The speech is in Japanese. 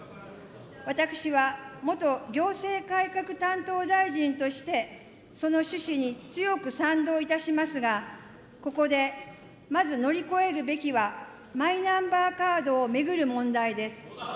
私は元行政改革担当大臣として、その趣旨に強く賛同いたしますが、ここでまず乗り越えるべきは、マイナンバーカードを巡る問題です。